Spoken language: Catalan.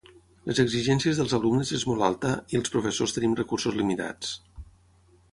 Les exigències dels alumnes és molt alta i els professors tenim recursos limitats.